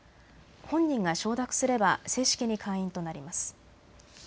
本人が承諾すれば正式に会員となります。